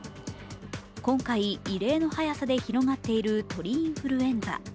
今回、異例の早さで広がっている鳥インフルエンザ。